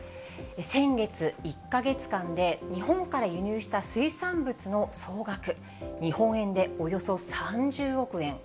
先月１か月間で、日本から輸入した水産物の総額、日本円でおよそ３０億円。